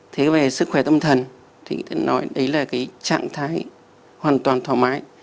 thế về sức khỏe tâm thần thì tôi nói đấy là cái trạng thái hoàn toàn thoải mái